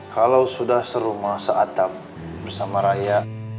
kalo sudah serumah saatam bersama raya